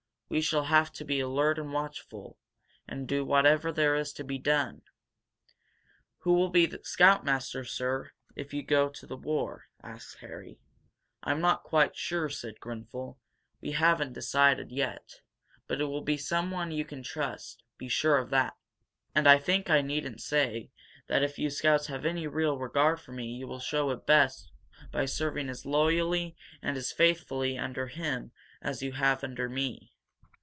We shall have to be alert and watchful, and do whatever there is to be done ..." "Who will be scoutmaster, sir, if you go to the war?" asked Harry. "I'm not quite sure," said Grenfel. "We haven't decided yet. But it will be someone you can trust be sure of that. And I think I needn't say that if you scouts have any real regard for me you will show it best by serving as loyally and as faithfully under him as you have under me.